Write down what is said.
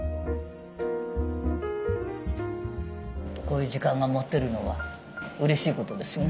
こういう時間が持てるのはうれしいことですよね。